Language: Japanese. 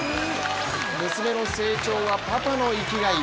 娘の成長は、パパの生きがい。